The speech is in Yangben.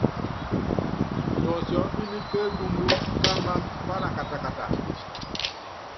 Tuɔsiɔ́pínɛ́ ke ekundu ká amam palakatakata.